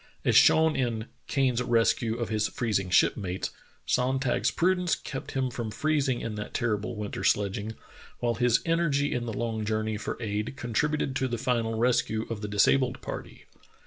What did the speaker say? As shown in "Kane's Res cue of His Freezing Shipmates," Sonntag's prudence kept him from freezing in that terrible winter sledging, while his energy in the long journey for aid contributed to the final rescue of the disabled party.